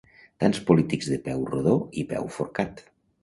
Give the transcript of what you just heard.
tants polítics de peu rodó i peu forcat